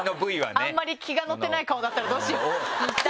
あんまり気が乗ってない顔だったらどうしよう。